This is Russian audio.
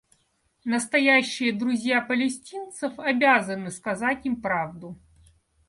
Настоящие друзья палестинцев обязаны сказать им правду.